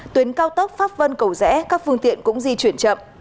tuyến cao tốc pháp vân cầu rẽ các phương tiện cũng di chuyển chậm